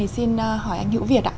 xin hỏi anh nhữ việt ạ